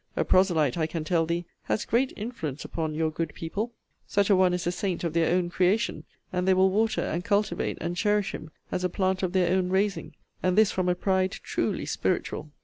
A proselyte, I can tell thee, has great influence upon your good people: such a one is a saint of their own creation: and they will water, and cultivate, and cherish him, as a plant of their own raising: and this from a pride truly spiritual!